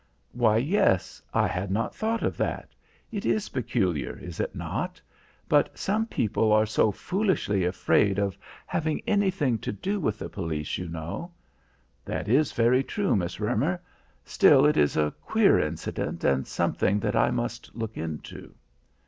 "Why, yes, I had not thought of that. It is peculiar, is it not? But some people are so foolishly afraid of having anything to do with the police, you know." "That is very true, Miss Roemer. Still it is a queer incident and something that I must look into."